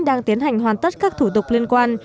đang tiến hành hoàn tất các thủ tục liên quan